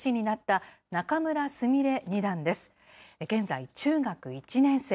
現在、中学１年生。